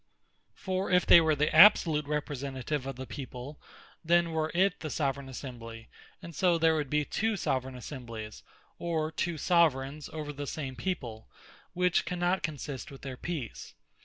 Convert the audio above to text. For if they were the absolute Representative of the people, then were it the Soveraign Assembly; and so there would be two Soveraign Assemblies, or two Soveraigns, over the same people; which cannot consist with their Peace.